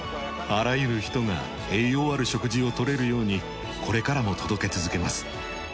あらゆる人が栄養ある食事を取れるようにこれからも届け続けます。